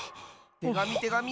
てがみてがみ！